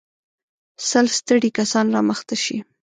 سل ستړي کسان را مخته شئ.